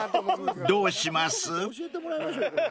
［どうします？］